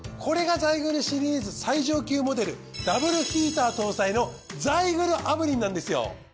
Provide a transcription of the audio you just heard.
これがザイグルシリーズ最上級モデルダブルヒーター搭載のザイグル炙輪なんですよ。